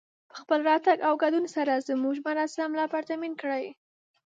په خپل راتګ او ګډون سره زموږ مراسم لا پرتمين کړئ